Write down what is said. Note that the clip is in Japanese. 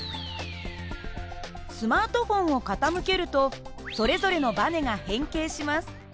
スマートフォンを傾けるとそれぞれのばねが変形します。